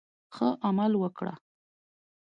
ښه عمل وکړه.